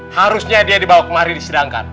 harusnya dia dibawa kemari disidangkan